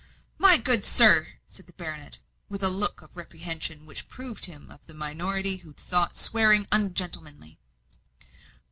"My good sir," said the baronet, with a look of reprehension which proved him of the minority who thought swearing ungentlemanly.